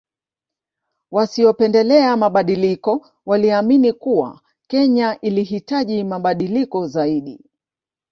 Wasiopendelea mabadiliko waliamini kuwa Kenya ilihitaji mabadiliko zaidi